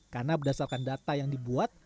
karena berdasarkan data yang dibuat